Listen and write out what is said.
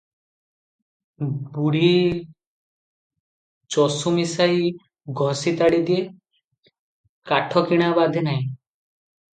ବୁଢ଼ୀ ଚଷୁ ମିଶାଇ ଘଷି ତାଡ଼ି ଦିଏ, କାଠ କିଣା ବାଧେ ନାହିଁ ।